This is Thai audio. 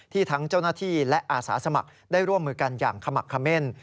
ทั้งเจ้าหน้าที่และอาสาสมัครได้ร่วมมือกันอย่างขมักเม่น